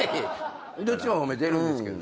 どっちも褒めてるんですけど。